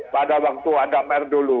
pada waktu adapr dulu